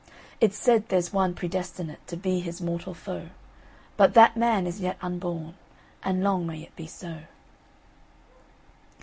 It's said there's one predestinate To be his mortal foe; But that man is yet unborn, And long may it be so."